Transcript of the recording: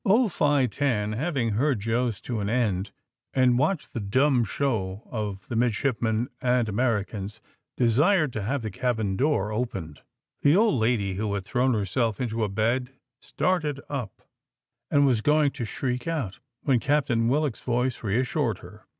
Old Fi Tan having heard Jos to an end, and watched the dumb show of the midshipmen and Americans, desired to have the cabin door opened. The old lady, who had thrown herself into a bed, started up, and was going to shriek out, when Captain Willock's voice reassured her.